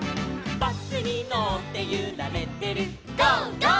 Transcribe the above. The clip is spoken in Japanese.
「バスにのってゆられてる「ゴー！ゴー！」